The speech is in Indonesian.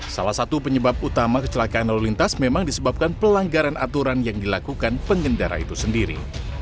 salah satu penyebab utama kecelakaan lalu lintas memang disebabkan pelanggaran aturan yang dilakukan pengendara itu sendiri